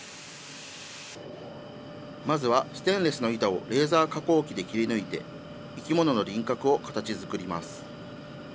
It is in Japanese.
まずはステンレスの板をレーザー加工機で切り抜いて、生き物の輪郭を形づくります。